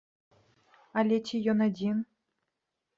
Але ці ён адзін?